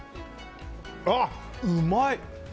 ああ、うまい！